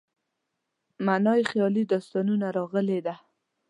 معنا یې خیالي داستانونه راغلې ده.